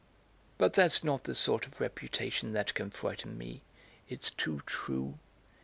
But that's not the sort of reputation that can frighten me; it's too true!